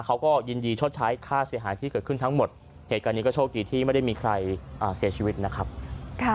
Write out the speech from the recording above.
เขาก็ยินดีชดใช้ค่าเสียหายที่เกิดขึ้นทั้งหมดเหตุการณ์นี้ก็โชคดีที่ไม่ได้มีใครเสียชีวิตนะครับค่ะ